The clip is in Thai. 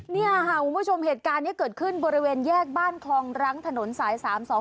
เนี่ยค่ะคุณผู้ชมเหตุการณ์นี้เกิดขึ้นบริเวณแยกบ้านคลองรังถนนสาย๓๒